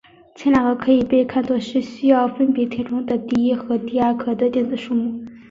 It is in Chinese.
前两个可以被看作是需要分别填充的第一和第二壳的电子数目。